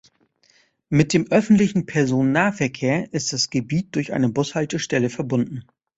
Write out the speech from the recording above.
Mit dem öffentlichen Personennahverkehr ist das Gebiet durch eine Bushaltestelle verbunden.